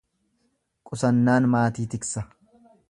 Qusannaan maatii tiksa.